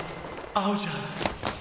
合うじゃん！！